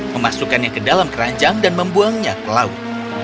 memasukkannya ke dalam keranjang dan membuangnya ke laut